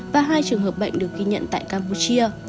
và hai trường hợp bệnh được ghi nhận tại campuchia